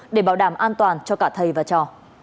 để bảo đảm an toàn cho cả thầy và trò